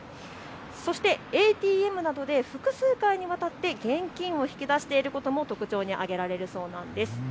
そしてＡＴＭなどで複数回にわたって現金を引き出していることも特徴に上げられるそうなんです。